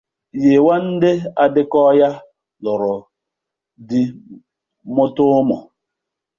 Yewande Adekoya lụrụ di muta ụmụ.